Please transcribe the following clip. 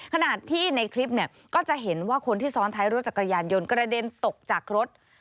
ขณะที่ในคลิปเนี่ยก็จะเห็นว่าคนที่ซ้อนท้ายรถจักรยานยนต์กระเด็นตกจากรถ